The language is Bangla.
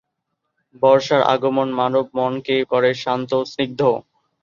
বর্ষার আগমণ মানবমনকে করে শান্ত, স্নিগ্ধ।